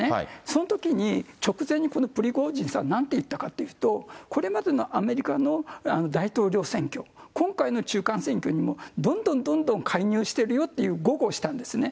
そのときにその直前にこのプリゴジンさん、なんて言ったかっていうと、これまでのアメリカの大統領選挙、今回の中間選挙にもどんどんどんどん介入してるよって豪語したんですね。